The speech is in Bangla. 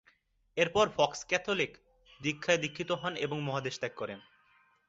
এরপর ফক্স ক্যাথলিক দীক্ষায় দীক্ষিত হন এবং মহাদেশ ত্যাগ করেন।